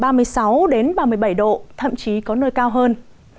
nắng nóng có thể đạt từ ba mươi sáu đến ba mươi bảy độ thậm chí có nơi cao hơn